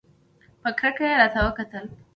په کرکه یې راکتل !